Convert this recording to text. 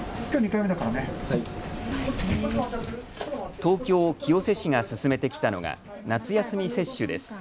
東京清瀬市が進めてきたのが夏休み接種です。